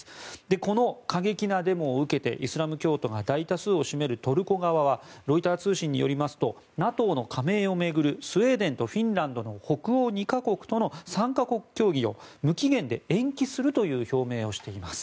この過激なデモを受けてイスラム教徒が大多数を占めるトルコ側はロイター通信によりますとＮＡＴＯの加盟を巡るスウェーデンとフィンランドの北欧２か国との３か国協議を無期限で延期するという表明をしています。